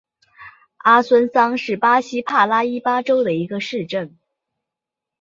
阿孙桑是巴西帕拉伊巴州的一个市镇。